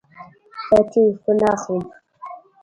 زه تلیفون اخلم